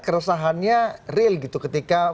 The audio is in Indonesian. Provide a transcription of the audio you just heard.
keresahannya real gitu ketika